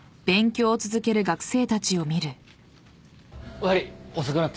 悪い遅くなった。